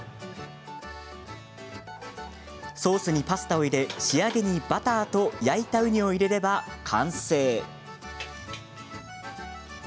ソースにパスタを入れ仕上げにバターと焼いたウニを入れれば完成。